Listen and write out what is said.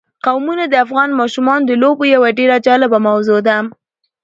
قومونه د افغان ماشومانو د لوبو یوه ډېره جالبه موضوع ده.